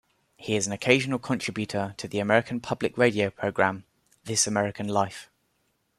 He is an occasional contributor to the American public radio program "This American Life".